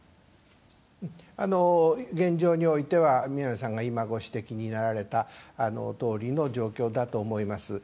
現状においては、宮根さんが今ご指摘になられたとおりの状況だと思います。